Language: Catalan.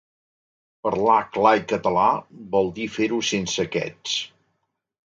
Parlar clar i català vol dir fer-ho sense aquests.